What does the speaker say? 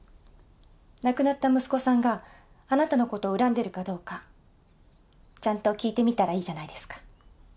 亡くなった息子さんがあなたの事を恨んでるかどうかちゃんと聞いてみたらいいじゃないですか。